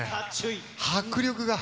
迫力が。